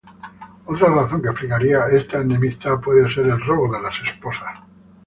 Otra razón que explicaría esta enemistad puede ser el robo de las esposas.